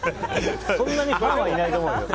そんなにファンはいないと思うよ。